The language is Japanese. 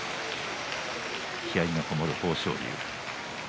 気合いが籠もる豊昇龍。